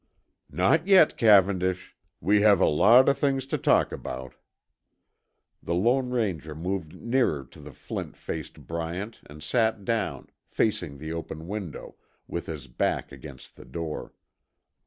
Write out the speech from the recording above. "Not yet, Cavendish; we have a lot of things to talk about." The Lone Ranger moved nearer to the flint faced Bryant and sat down, facing the open window, with his back against the door.